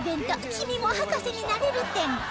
「君も博士になれる展」